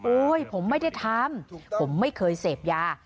ผมไม่ได้ทำผมไม่เคยเสพยา